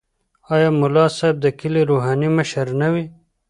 آیا ملا صاحب د کلي روحاني مشر نه وي؟